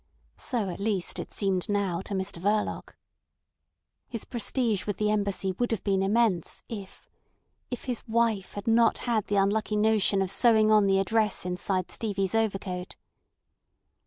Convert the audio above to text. So at least it seemed now to Mr Verloc. His prestige with the Embassy would have been immense if—if his wife had not had the unlucky notion of sewing on the address inside Stevie's overcoat.